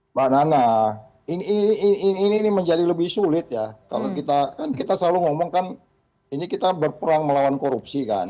mbak nana ini ini ini ini menjadi lebih sulit ya kalau kita kan kita selalu ngomongkan ini kita berperang melawan korupsi kan